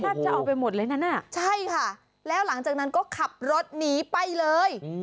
จะเอาไปหมดเลยนั้นน่ะใช่ค่ะแล้วหลังจากนั้นก็ขับรถหนีไปเลย